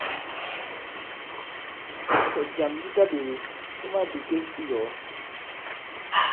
Tɔ̀jàm di taɓēwe, fuma bìkek i yɔ̀ɔ.